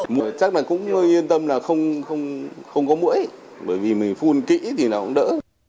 mũi chắc là cũng yên tâm là không có mũi bởi vì mình phun kỹ thì nào cũng đỡ